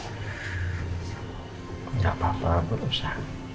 tidak apa apa pak surya